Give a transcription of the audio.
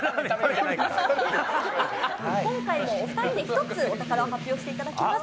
今回もお二人で１つお宝を発表していただきます。